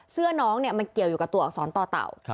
เสื้อน้องเนี่ยมันเกี่ยวอยู่เอักษรต่อต่าว